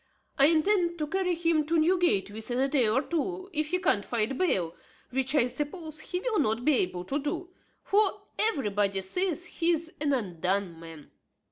I intend to carry him to Newgate within a day or two, if he can't find bail, which, I suppose, he will not be able to do; for everybody says he is an undone man.